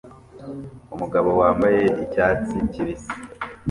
Umugabo wambaye icyatsi kibisi